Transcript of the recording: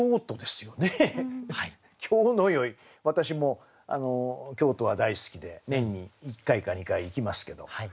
私も京都は大好きで年に１回か２回行きますけど。